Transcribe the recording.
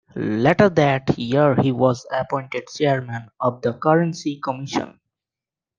Later that year he was appointed Chairman of the Currency Commission.